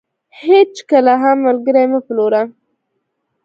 هيچ کله هم ملګري مه پلوره .